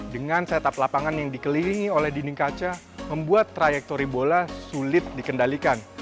dengan setup lapangan yang dikelilingi oleh dinding kaca membuat trayektori bola sulit dikendalikan